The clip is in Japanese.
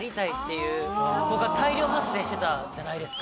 いう子が大量発生してたじゃないですか。